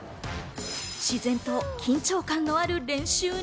自然と緊張感のある練習に。